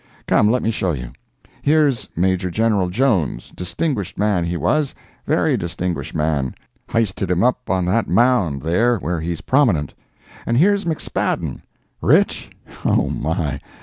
Come, let me show you. Here's Major General Jones distinguished man, he was—very distinguished man—highsted him up on that mound, there, where he's prominent. And here's MacSpadden—rich?—Oh, my!